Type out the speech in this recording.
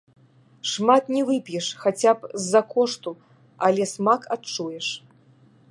Шмат не вып'еш, хаця б з-за кошту, але смак адчуеш.